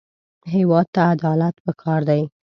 هېواد ته عدالت پکار دی